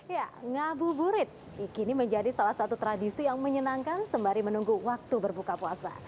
ya ngabuburit kini menjadi salah satu tradisi yang menyenangkan sembari menunggu waktu berbuka puasa